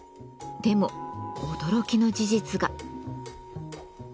でも驚きの事実が。